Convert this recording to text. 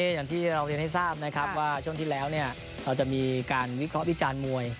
อย่างที่เราเรียนให้รู้ครับว่าเวลาจ้างเราจะมาวิจารณ์มวย